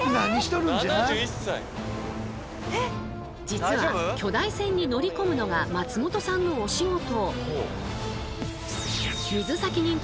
実は巨大船に乗りこむのが松本さんのお仕事。